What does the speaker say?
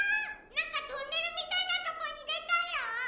なんかトンネルみたいなとこにでたよ。